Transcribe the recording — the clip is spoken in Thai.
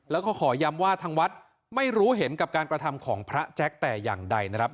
แล้วก็ขอย้ำว่าทางวัดไม่รู้เห็นกับการกระทำของพระแจ๊คแต่อย่างใดนะครับ